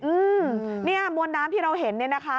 อืมนี่มวลน้ำที่เราเห็นนะคะ